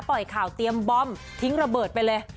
ปล่อยข่าวเตรียมบอมทิ้งระเบิดไปเลย